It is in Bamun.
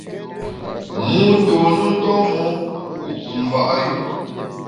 Mû tôn u nton mon, wu pum mba’ yu.